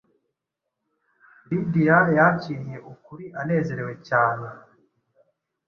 Lidiya yakiriye ukuri anezerewe cyane.